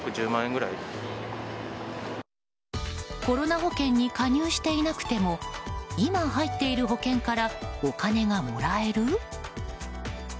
コロナ保険に加入していなくても今、入っている保険からお金がもらえる？